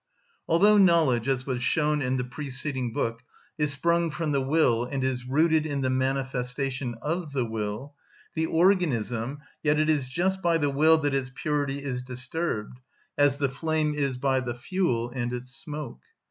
Although knowledge, as was shown in the preceding book, is sprung from the will and is rooted in the manifestation of the will, the organism, yet it is just by the will that its purity is disturbed, as the flame is by the fuel and its smoke.